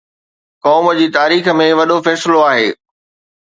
قوم جي تاريخ ۾ وڏو فيصلو آهي